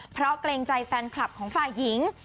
เพราะเกรงใจแฟนคลับของฝ่ายหญิง